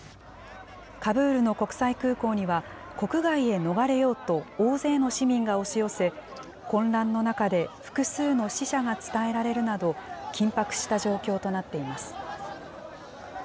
カブールの国際空港には、国外へ逃れようと大勢の市民が押し寄せ、混乱の中で複数の死者が伝えられるなど、緊迫した状況となっています。